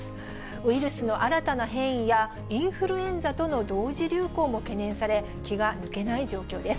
ウイルスの新たな変異や、インフルエンザとの同時流行も懸念され、気が抜けない状況です。